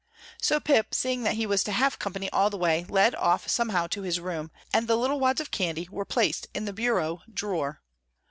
So Pip, seeing that he was to have company all the way, led off somehow to his room, and the little wads of candy were placed in the bureau drawer.